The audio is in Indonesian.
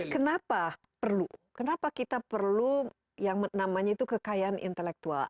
kenapa perlu kenapa kita perlu yang namanya itu kekayaan intelektual